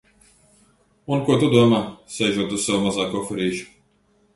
Un ko tu domā, sēžot uz sava mazā koferīša?